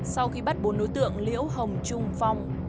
sau khi bắt bốn đối tượng liễu hồng trung phong